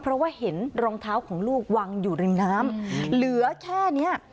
เพราะว่าเห็นรองเท้าของลูกวางอยู่ริมน้ำเหลือแค่เนี้ย